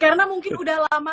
karena mungkin sudah lama